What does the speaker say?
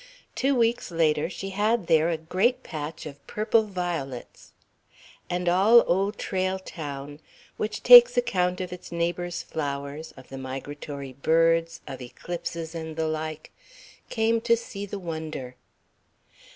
Two weeks later she had there a great patch of purple violets. And all Old Trail Town, which takes account of its neighbours' flowers, of the migratory birds, of eclipses, and the like, came to see the wonder.